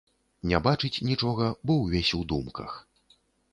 Не бачыць нічога, бо ўвесь у думках.